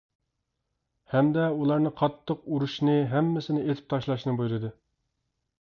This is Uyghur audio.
ھەمدە ئۇلارنى قاتتىق ئۇرۇشنى، ھەممىسىنى ئېتىپ تاشلاشنى بۇيرۇدى.